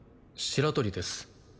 白鳥です。